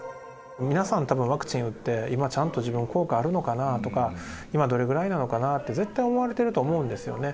皆さん、たぶんワクチン打って、今、ちゃんと自分、効果あるのかなとか、今どれぐらいなのかなって、絶対思われてると思うんですよね。